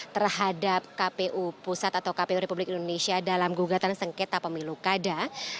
terhadap kpu pusat atau kpu republik indonesia dalam gugatan sengketa pemilu kada